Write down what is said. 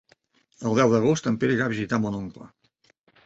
El deu d'agost en Pere irà a visitar mon oncle.